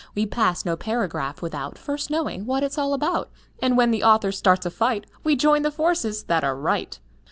We pass no paragraph without First knowing what it's all about, And when the author starts a fight We join the forces that are right.